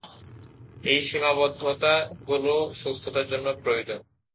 এই সীমাবদ্ধতাগুলো সুস্থতার জন্য প্রয়োজন।